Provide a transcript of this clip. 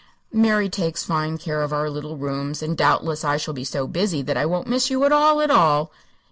Mary takes fine care of our little rooms, and doubtless I shall be so busy that I won't miss you at all, at all."